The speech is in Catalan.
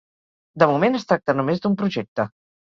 De moment, es tracta només d'un projecte.